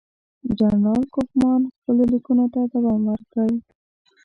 جنرال کوفمان خپلو لیکونو ته دوام ورکړ.